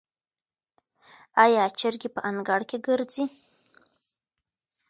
آیا چرګې په انګړ کې ګرځي؟